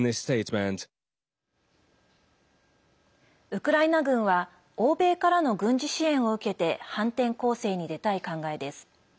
ウクライナ軍は欧米からの軍事支援を受けて反転攻勢に出たい考えです。